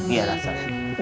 iya rasa aja